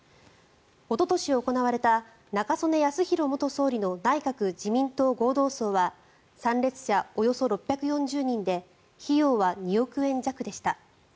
おととし行われた中曽根康弘元総理の内閣・自民党合同葬は参列者およそ６４０人で費用は２億円弱でした。